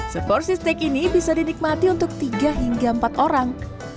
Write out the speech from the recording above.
seporsi steak ini bisa dinikmati untuk tiga hingga empat orang